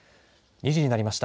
２時になりました。